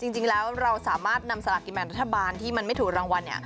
จริงแล้วเราสามารถนำสลากกินแบ่งรัฐบาลที่มันไม่ถูกรางวัล